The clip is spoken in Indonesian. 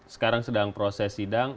sekarang sedang proses sidang